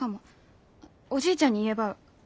おじいちゃんに言えば。